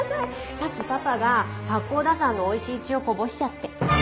さっきパパが八甲田山のおいしい血をこぼしちゃって。